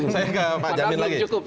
saya ke pak jamin lagi